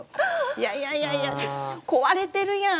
いやいやいや壊れてるやん！